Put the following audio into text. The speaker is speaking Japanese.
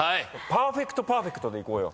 パーフェクトパーフェクトでいこうよ。